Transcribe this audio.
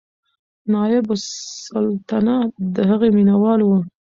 نایبالسلطنه د هغې مینهوال و.